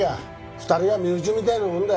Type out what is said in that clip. ２人は身内みたいなもんだ。